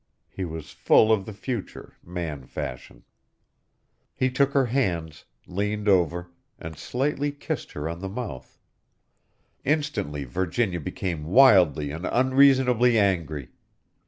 He was full of the future, man fashion. He took her hands, leaned over, and lightly kissed her on the mouth. Instantly Virginia became wildly and unreasonably angry.